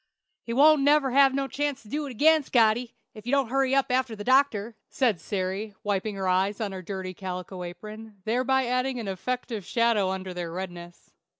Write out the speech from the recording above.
"He won't never have no chance to do it again, Scotty, if you don't hurry up after the doctor," said Sary, wiping her eyes on her dirty calico apron, thereby adding an effective shadow under their redness.